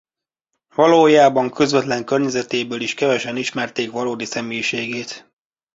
Valójában közvetlen környezetéből is kevesen ismerték valódi személyiségét.